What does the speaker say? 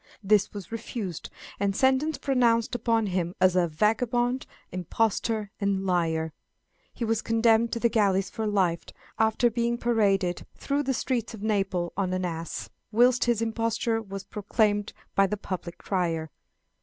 This was refused, and sentence pronounced upon him as "a vagabond, impostor, and liar;" and he was condemned to the galleys for life, after being paraded through the streets of Naples on an ass, whilst his imposture was proclaimed by the public crier.